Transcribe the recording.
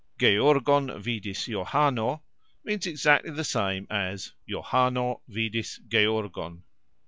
"Georgon vidis Johano" means exactly the same as "Johano vidis Georgon."